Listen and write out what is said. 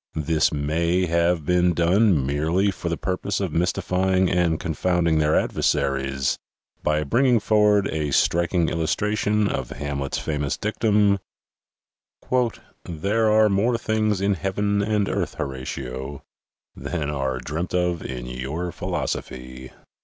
This may have been done merely for the purpose of mystifying and con 122 THE SEVEN FOLLIES OF SCIENCE founding their adversaries by bringing forward a striking illustration of Hamlet's famous dictum ''There are more things in heaven and earth, Horatio, Than are dreamt of in your philosophy."